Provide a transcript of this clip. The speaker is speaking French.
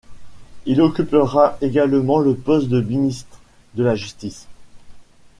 Il occupera également le poste de ministre de la Justice.